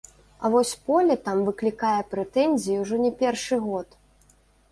А вось поле там выклікае прэтэнзіі ўжо не першы год.